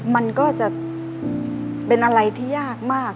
มันก็จะเป็นอะไรที่ยากมาก